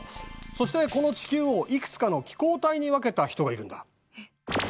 そしてこの地球をいくつかの気候帯に分けた人がいるんだ。